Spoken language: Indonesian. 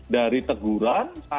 dari teguran sampai bahkan pemerintahan